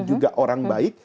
juga orang baik